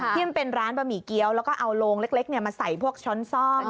ที่เป็นร้านบะหมี่เกี้ยวแล้วก็เอาโรงเล็กมาใส่พวกช้อนซ่อม